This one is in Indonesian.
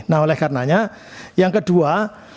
nah oleh karenanya yang kedua